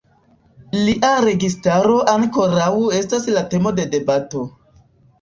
Lia registaro ankoraŭ estas la temo de debato.